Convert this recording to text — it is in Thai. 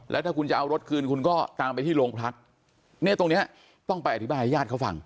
แล้วถ้าคุณจะเอารถคืนคุณก็ตามไปที่โรงพักเนี่ยตรงเนี้ยต้องไปอธิบายให้ญาติเขาฟัง